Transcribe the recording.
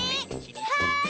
はい。